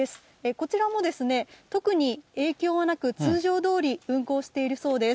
こちらも特に影響はなく、通常どおり運行しているそうです。